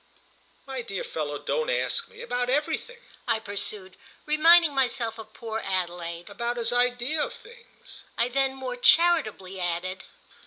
"My dear fellow, don't ask me! About everything!" I pursued, reminding myself of poor Adelaide. "About his ideas of things," I then more charitably added.